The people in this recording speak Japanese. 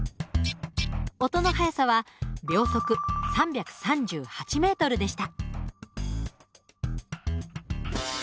警音器は秒速３３８ｍでした。